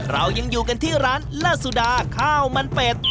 เรายังอยู่กันที่ร้านเลิศสุดาข้าวมันเป็ด